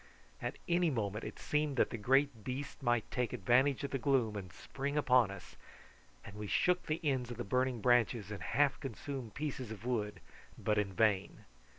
At any moment it seemed that the great beast might take advantage of the gloom and spring upon us, and we shook the ends of the burning branches and half consumed pieces of wood, but in vain.